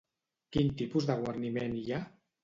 Quin tipus de guarniment hi ha?